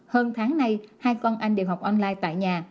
hơn tháng nay hai con anh đều học online tại nhà